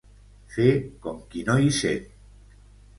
Fer com qui no hi sent.